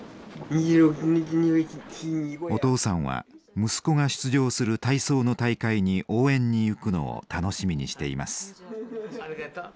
お父さんは息子が出場する体操の大会に応援に行くのを楽しみにしています。